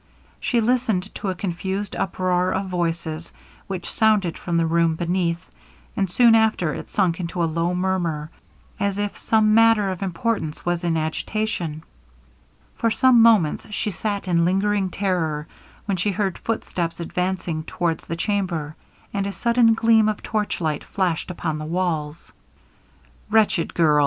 She listened to a confused uproar of voices, which sounded from the room beneath, and soon after it sunk into a low murmur, as if some matter of importance was in agitation. For some moments she sat in lingering terror, when she heard footsteps advancing towards the chamber, and a sudden gleam of torchlight flashed upon the walls. 'Wretched girl!